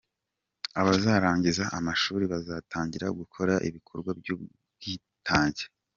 Abazarangiza amashuri bazatangira gukora ibikorwa by’ubwitange